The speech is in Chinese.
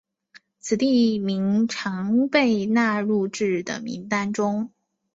此地名经常纳入至的名单中。